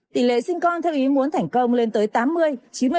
tỷ lệ sinh con theo ý muốn thành công lên tới tám mươi chín mươi